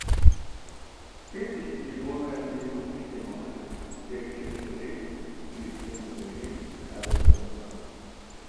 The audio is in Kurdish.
Sê tişt ji bo me ji bihuştê mane, Stêrkên şevê, Kulîlkên rojê, Çavên zarokan.